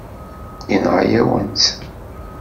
Yenɣa-yawen-tt.